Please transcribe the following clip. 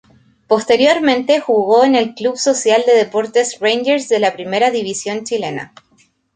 Posteriormente jugó en el Club Social de Deportes Rangers de la Primera división chilena.